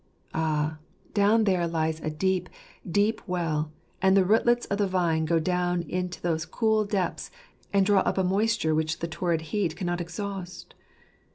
Ah! down there lies a deep, deep well, and the rootlets of the vine go down into those cool depths, and draw up a moisture which the torriu heat cannot exhaust.